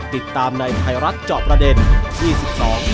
ติดตามในไทยรัฐจอบประเด็น๒๒๒๕มีนาคมนี้